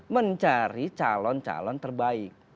mencari calon calon terbaik